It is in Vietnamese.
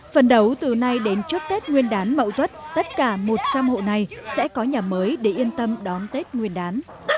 phần đấu từ nay đến trước tết nguyên đán mậu tuất tất cả một trăm linh hộ này sẽ có nhà mới để yên tâm đón tết nguyên đán